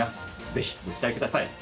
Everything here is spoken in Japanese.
ぜひ、ご期待ください。